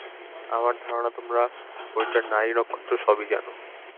আমার ধারণা তোমরা বইটার নারী-নক্ষত্র সবই জানো।